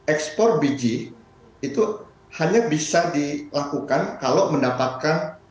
ekspor biji itu hanya bisa dilakukan kalau mendapatkan